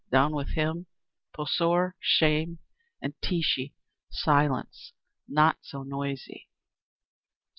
_ Down with him!" "Posor! Shame!" and "Teesche! Silence! Not so noisy!"